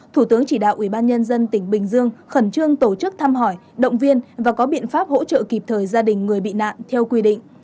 thủ tướng chỉ đạo ủy ban nhân dân tỉnh bình dương khẩn trương tổ chức thăm hỏi động viên và có biện pháp hỗ trợ kịp thời gia đình người bị nạn theo quy định